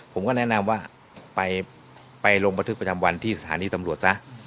ผมก็แนะนำว่าไปลงบันทึกประจำวันที่สถานีตำรวจซะ